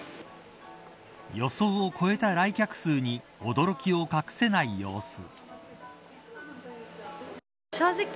予想を超えた来客数に驚きを隠せない様子。